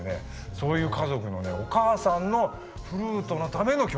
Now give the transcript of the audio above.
そういう家族のお母さんのフルートのための曲。